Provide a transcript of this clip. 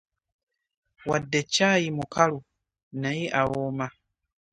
Wadde caayi mukalu naye awooma.